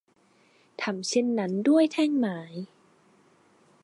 ทำเช่นนั้นด้วยแท่งไม้